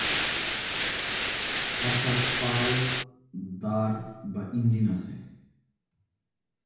অর্থাৎ, পাল, দাঁড় বা ইঞ্জিন আছে।